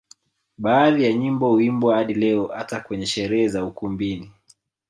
Baadhi ya nyimbo huimbwa hadi leo hata kwenye sherehe za ukumbini